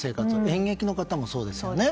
演劇の方もそうですよね。